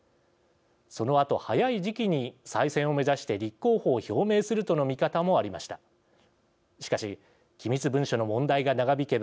そのあと、早い時期に再選を目指して立候補を表明するとの見方もありました。